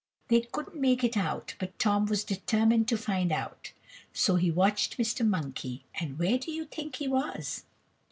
They couldn't make it out, but Tom was determined to find out, so he watched Mr. Monkey, and where do you think he was?